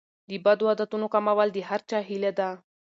د بدو عادتونو کمول د هر چا هیله ده.